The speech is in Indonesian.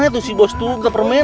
tuh si bos tuh ke permen